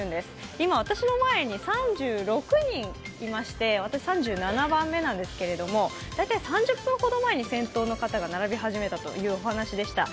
今、私の前に３６人いまして、私３７番目なんですけど大体３０分ほど前に先頭の方が並び始めたというお話でした。